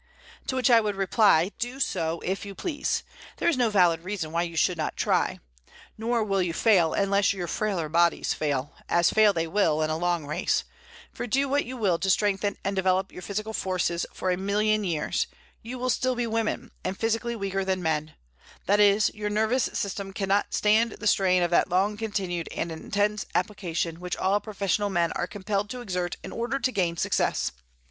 To such I would reply, Do so, if you please; there is no valid reason why you should not try. Nor will you fail unless your frailer bodies fail, as fail they will, in a long race, for do what you will to strengthen and develop your physical forces for a million of years, you will still be women, and physically weaker than men; that is, your nervous system cannot stand the strain of that long continued and intense application which all professional men are compelled to exert in order to gain success.